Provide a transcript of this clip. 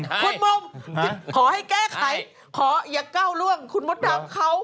คุณบุมขอให้แก้ไขขออย่าก้าวล่วงคุณมดดำเขา